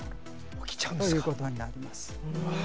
起きちゃうんですか。ということになります。